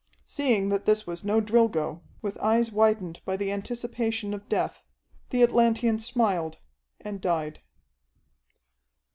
Seeing that this was no Drilgo, with eyes widened by the anticipation of death, the Atlantean smiled, and died.